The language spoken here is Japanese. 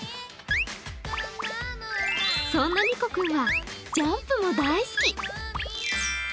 そんなにこ君はジャンプも大好き。